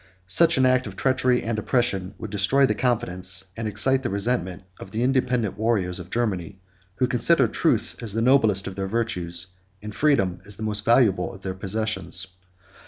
Such an act of treachery and oppression would destroy the confidence, and excite the resentment, of the independent warriors of Germany, who considered truth as the noblest of their virtues, and freedom as the most valuable of their possessions.